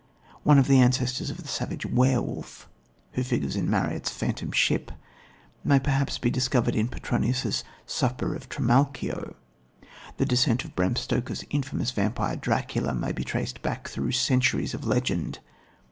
One of the ancestors of the savage were wolf, who figures in Marryat's Phantom Ship, may perhaps be discovered in Petronius' Supper of Trimalchio. The descent of Bram Stoker's infamous vampire Dracula may be traced back through centuries of legend.